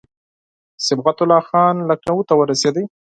صبغت الله خان لکنهو ته ورسېدی.